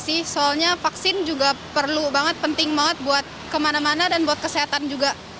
sih soalnya vaksin juga perlu banget penting banget buat kemana mana dan buat kesehatan juga